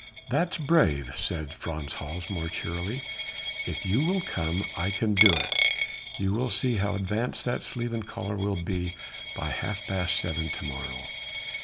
"That's brave!" said Frans Hals more cheerily. "If you will come I can do it. You will see how advanced that sleeve and collar will be by half past seven to morrow."